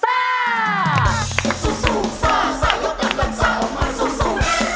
สู้ซ่ายกกำลังซ่าออกมาสู้